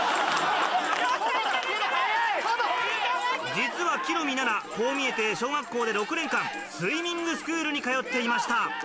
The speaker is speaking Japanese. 実は木の実ナナこう見えて小学校で６年間スイミングスクールに通っていました。